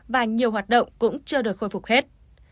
và nhiều hoạt động cũng chưa được khôi phục hết